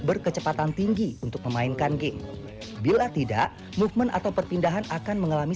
berkecepatan tinggi untuk memainkan game bila tidak movement atau perpindahan akan mengalami